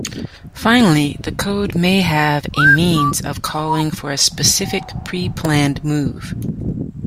Finally, the code may have a means of calling for a specific pre-planned move.